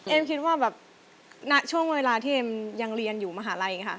คิดว่าแบบณช่วงเวลาที่เอ็มยังเรียนอยู่มหาลัยค่ะ